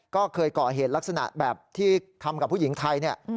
ก็เคยก่อเหตุลักษณะแบบที่ทำกับผู้หญิงไทยเนี่ย